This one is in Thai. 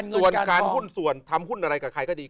ส่วนการหุ้นส่วนทำหุ้นอะไรกับใครก็ดี